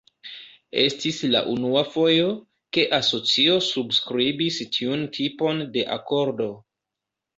Estis la unua fojo, ke asocio subskribis tiun tipon de akordo.